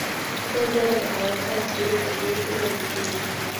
څو ځله د هغه کس جېب په دې هیله لوټېږي.